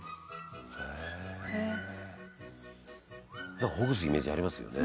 「なんかほぐすイメージありますよね」